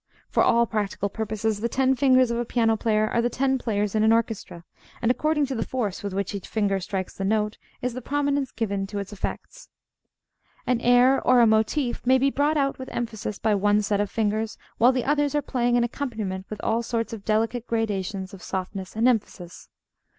For all practical purposes the ten fingers of a piano player are the ten players in an orchestra; and, according to the force with which each finger strikes the note, is the prominence given to its effects. An air or a motif may be brought out with emphasis by one set of fingers, while the others are playing an accompaniment with all sorts of delicate gradations of softness and emphasis.